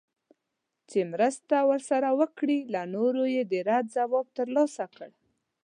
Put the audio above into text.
چي مرسته ورسره وکړي له نورو یې د رد ځواب ترلاسه کړ